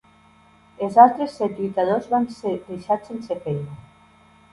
Els altres set lluitador van ser deixats sense feina.